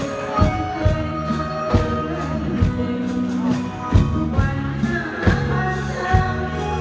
แต่ใครก็ไม่รู้ที่ใครก็ไม่รู้